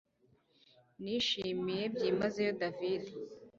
Nishimiye byimazeyo David